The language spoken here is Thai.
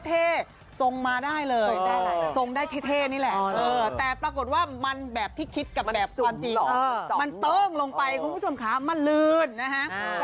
เท่ทรงมาได้เลยทรงได้เท่นี่แหละแต่ปรากฏว่ามันแบบที่คิดกับแบบความจริงมันเติ้งลงไปคุณผู้ชมคะมันลืนนะฮะ